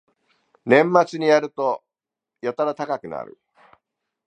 年末になるとやたら高くなる